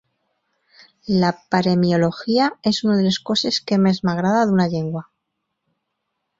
La paremiologia és una de les coses que més m'agrada d'una llengua.